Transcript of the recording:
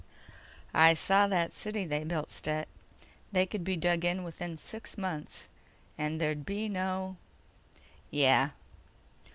"I saw that city they built, Stet. They could be dug in within six months, and there'd be no—" "Yeah."